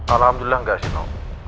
alhamdulillah tidak noh